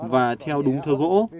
và theo đúng thơ gỗ